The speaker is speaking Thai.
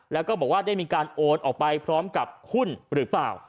แล้วก็บอกว่าได้มีการโอนออกไปพร้อมกับหุ้นหรือเปล่า